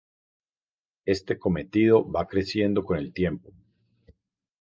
Este cometido va creciendo con el tiempo.